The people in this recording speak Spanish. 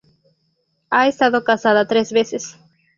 Ha estado casada tres veces.